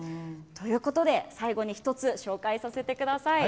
ということで最後に一つ紹介させてください。